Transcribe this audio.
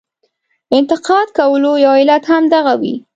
انتقاد کولو یو علت هم دغه وي.